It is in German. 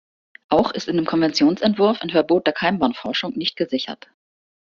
Auch ist in dem Konventionsentwurf ein Verbot der Keimbahnforschung nicht gesichert.